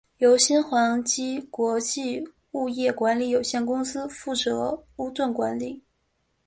由新恒基国际物业管理有限公司负责屋邨管理。